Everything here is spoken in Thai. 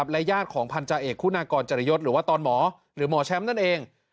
และญาติของพันธาเอกคุณากรจริยศหรือว่าตอนหมอหรือหมอแชมป์นั่นเอง